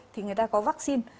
thì người ta có vaccine